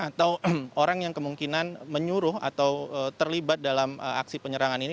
atau orang yang kemungkinan menyuruh atau terlibat dalam aksi penyerangan ini